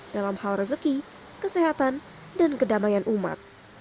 dalam hal rezeki kesehatan dan kedamaian umat